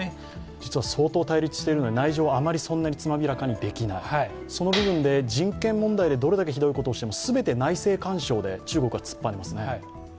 実は相当対立してるのに、内情をそんなにつまびらかにはできないその部分、人権問題でどれだけひどいことをしても全て内政干渉で中国は突っぱねますね。